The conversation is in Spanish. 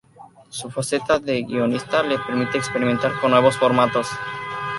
Su faceta de guionista le permite experimentar con nuevos formatos.